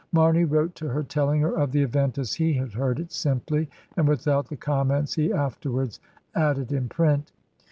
Marney wrote to her, telling her of the event as he had heard it, simply, and without the comments he afterwards added in print.